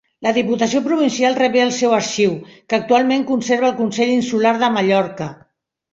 La Diputació Provincial rebé el seu arxiu, que actualment conserva el Consell Insular de Mallorca.